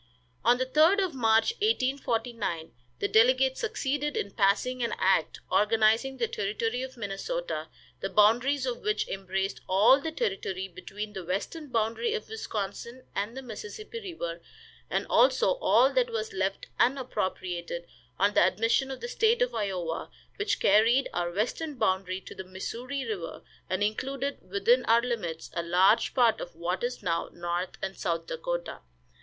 On the 3d of March, 1849, the delegate succeeded in passing an act organizing the Territory of Minnesota, the boundaries of which embraced all the territory between the western boundary of Wisconsin and the Mississippi river, and also all that was left unappropriated on the admission of the State of Iowa, which carried our western boundary to the Missouri river, and included within our limits a large part of what is now North and South Dakota.